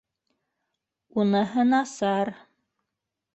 — Уныһы насар.